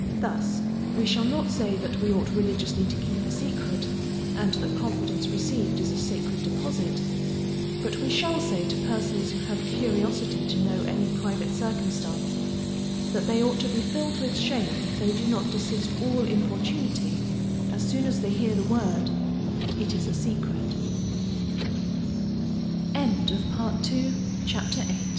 Thus, we shall not say that we ought religiously to keep a secret, and that confidence received is a sacred deposit; but we shall say to persons who have curiosity to know any private circumstance, that they ought to be filled with shame if they do not desist all importunity as soon as they hear the word, it is a secret. CHAPTER IX. Of Travelling.